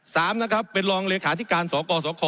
สามนะครับเป็นรองเลขาธิการสกสค